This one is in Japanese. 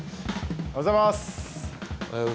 おはようございます。